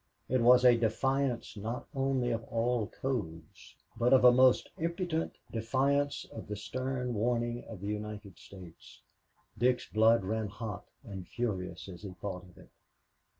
It was a defiance not only of all codes, but a most impudent defiance of the stern warning of the United States. Dick's blood ran hot and furious as he thought of it.